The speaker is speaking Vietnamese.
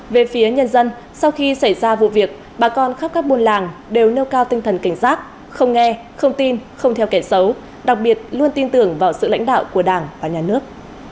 về phía nhân dân sau khi xảy ra vụ việc bà con khắp các buôn làng đều nêu cao tinh thần cảnh giác không nghe không tin không theo kẻ xấu đặc biệt luôn tin tưởng vào sự lãnh đạo của đảng và nhà nước